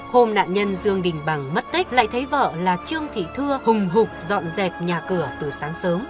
thương đình bằng mất tích lại thấy vợ là trương thị thưa hùng hục dọn dẹp nhà cửa từ sáng sớm